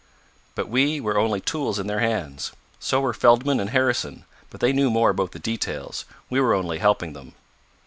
"But we were only tools in their hands. So were Feldman and Harrison, but they knew more about the details. We were only helping them."